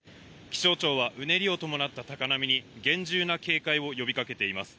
気象庁は、うねりを伴った高波に厳重な警戒を呼びかけています。